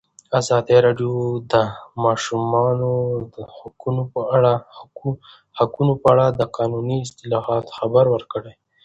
ازادي راډیو د د ماشومانو حقونه په اړه د قانوني اصلاحاتو خبر ورکړی.